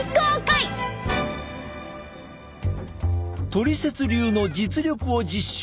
トリセツ流の実力を実証！